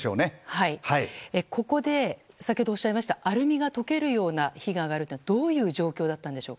ここで先ほどおっしゃいましたアルミが溶けるような火が上がるというのはどういう状況だったんでしょう。